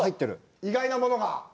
意外なもの？